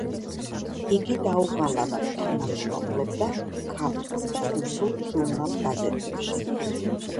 იგი დაუღალავად თანამშრომლობდა ქართულ და რუსულ ჟურნალ–გაზეთებში.